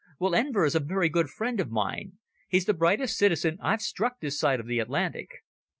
"Well, Enver is a very good friend of mine. He's the brightest citizen I've struck this side of the Atlantic."